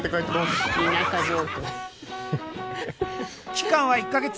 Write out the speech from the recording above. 期間は１か月。